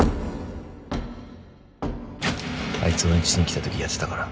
あいつ俺んちに来たときやってたから